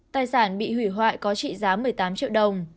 tài sản bị hủy hoại có trị giá một mươi tám triệu đồng